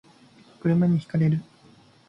車に轢かれる